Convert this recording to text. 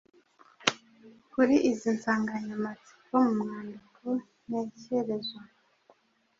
kuri izi nsanganyamatsiko mu mwandiko ntekerezo: